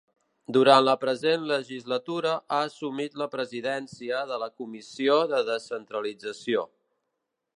Durant la present legislatura ha assumit la Presidència de la Comissió de Descentralització.